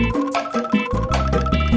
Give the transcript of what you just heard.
mak baru masuk